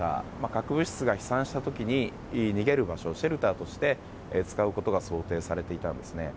核物質が飛散した時に逃げる場所シェルターとして使うことが想定されていたんですね。